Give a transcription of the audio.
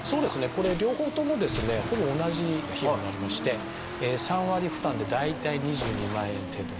これ両方ともですねほぼ同じ費用になりまして３割負担で大体２２万円程度です。